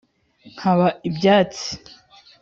nkaba ibyatsi